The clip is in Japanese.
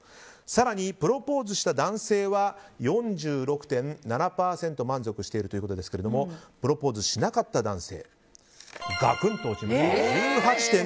更にプロポーズした男性は４６．７％満足しているということですがプロポーズしなかった男性がくんと落ちます。